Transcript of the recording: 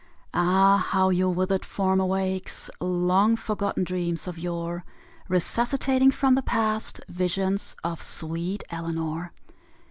Ah, how your withered form awakes Long forgotten dreams of yore Resuscitating from the past Visions of sweet Eleanor!